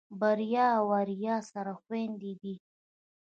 بريا او آريا سره خويندې دي.